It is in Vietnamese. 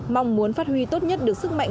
mong muốn phát huy tốt nhất được sức mạnh